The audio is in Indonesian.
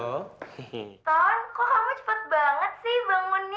toh kok kamu cepet banget sih bangunnya